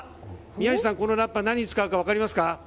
宮司さん、このラッパ何に使うか分かりますか？